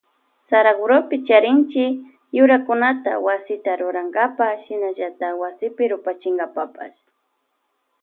Saraguropi charinchi yurakunata wasita rurankapa shinallata wasipi rupachinkapapash.